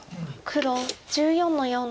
黒１４の四。